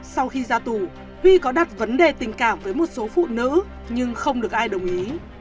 sau khi ra tù huy có đặt vấn đề tình cảm với một số phụ nữ nhưng không được ai đồng ý